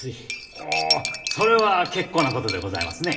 おおそれは結構なことでございますね。